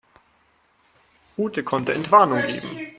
Ute konnte Entwarnung geben.